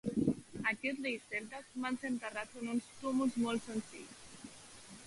Aquests "reis celtes" van ser enterrats en uns túmuls molt senzills.